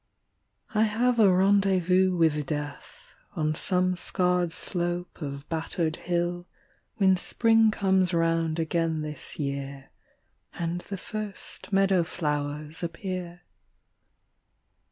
I have a rendezvous with Death On some scarred slope of battered hill, When Spring comes round again this year And the first meadow flowers appear.